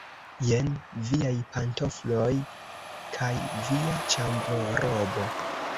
Jen viaj pantofloj kaj via ĉambrorobo.